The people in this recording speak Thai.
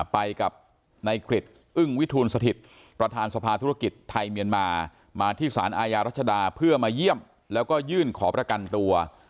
ไปกับนายคฤตอึ่งวิทุญสฐิษฐ์ประธานสภาธุรกิจไทยเหมียนมา